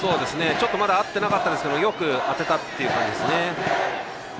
まだ合ってなかったんですがよく当てたという感じですね。